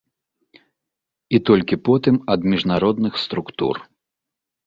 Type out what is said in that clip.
І толькі потым ад міжнародных структур.